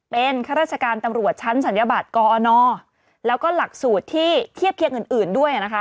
เป็นข้าราชการตำรวจชั้นศัลยบัตรกอนแล้วก็หลักสูตรที่เทียบเคียงอื่นด้วยนะคะ